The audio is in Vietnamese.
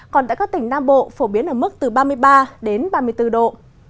còn tại các tỉnh nam bộ phổ biến ở mức từ ba mươi ba đến ba mươi bốn độ